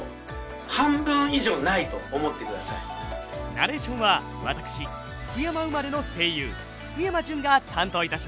ナレーションは私福山生まれの声優福山潤が担当いたします。